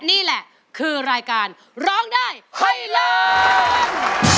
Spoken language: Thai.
นี่แหละคือรายการร้องได้ให้ล้าน